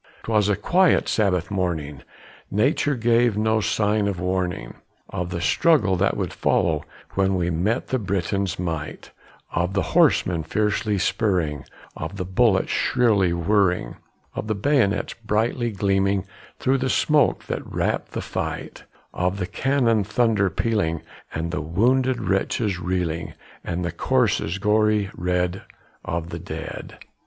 'Twas a quiet Sabbath morning; nature gave no sign of warning Of the struggle that would follow when we met the Briton's might; Of the horsemen fiercely spurring, of the bullets shrilly whirring, Of the bayonets brightly gleaming through the smoke that wrapped the fight; Of the cannon thunder pealing, and the wounded wretches reeling, And the corses gory red of the dead.